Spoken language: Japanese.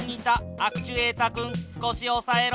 アクチュエータ君少しおさえろ。